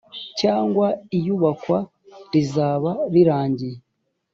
cyangwa iyubakwa rizaba rirangiye